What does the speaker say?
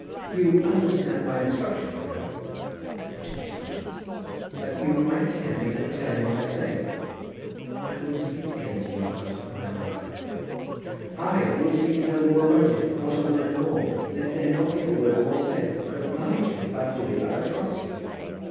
"You understand my instructions, I hope?" "What instructions?" "That you write to Henry and tell him what I say." "I will speak again to you about it by and by." "I will speak no more about it, not a word more. Let there be not a word more said, but oblige me by doing as I ask you."